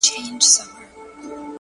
د دې خمارو ماښامونو نه به وځغلمه’